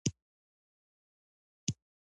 آیا دا یو ګډ صنعتي سیستم نه دی؟